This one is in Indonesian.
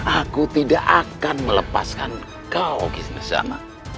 aku tidak akan melepaskan kau gizna sama